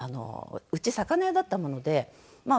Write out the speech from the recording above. うち魚屋だったものでまあ